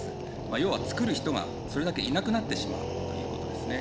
要は作る人がそれだけいなくなってしまうということですね。